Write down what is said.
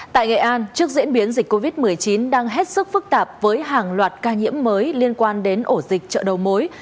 tại nghệ an trước diễn biến dịch covid một mươi chín đang hết sức phức tạp với hàng loạt ca nhiễm mới liên quan đến ổ dịch chợ đầu mối